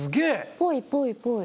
ぽいぽいぽい。